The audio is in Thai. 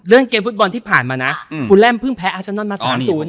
เรื่องเกมฟุตบอลที่ผ่านมานะอืมฟูแลมเพิ่งแพ้อร์สานอนมาสามศูนย์